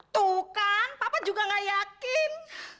tuh kan papa juga gak yakin